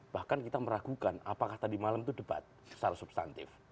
bahkan kita meragukan apakah tadi malam itu debat secara substantif